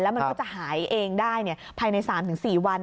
มันก็จะหายเองได้ภายใน๓๔วัน